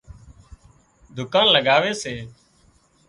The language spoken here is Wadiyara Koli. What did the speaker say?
دُڪان لڳاوي سي